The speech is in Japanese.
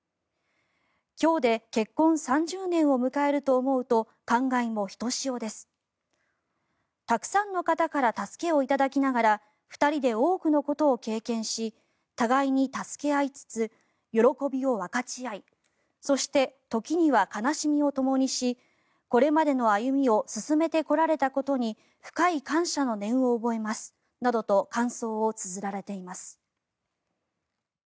今日で結婚３０年を迎えると思うと感慨もひとしおですたくさんの方から助けをいただきながら２人で多くのことを経験し互いに助け合いつつ喜びを分かち合いそして時には悲しみをともにしこれまでの歩みを進めてこられたことに深い感謝の念を覚えますなどと感想をつづられています。